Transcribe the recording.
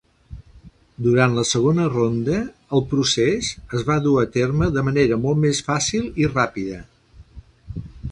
Durant la segona ronda, el procés es va dur a terme de manera molt més fàcil i ràpida.